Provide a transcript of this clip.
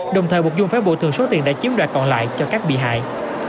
đồng thời bục dung phái bộ thường số tiền đã chiếm đoạt còn lại cho các bị hại